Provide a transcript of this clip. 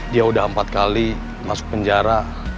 dia sudah empat kali masuk penjara